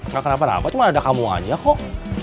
gak kenapa apa cuma ada kamu aja kok